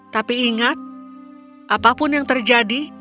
tapi ingat apapun yang terjadi